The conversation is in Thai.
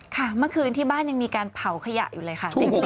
เมื่อคืนที่บ้านยังมีการเผาขยะอยู่เลยค่ะ